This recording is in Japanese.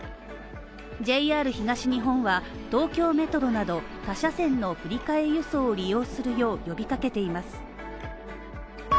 ＪＲ東日本は、東京メトロなど他社線の振替輸送を利用するよう呼びかけています。